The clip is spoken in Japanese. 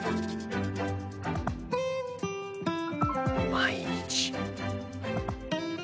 毎日。